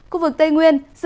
khu vực tây nguyên